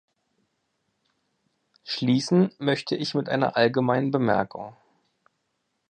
Schließen möchte ich mit einer allgemeinen Bemerkung.